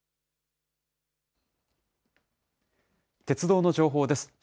鉄道の情報です。